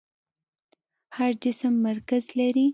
هر جسم مرکز لري.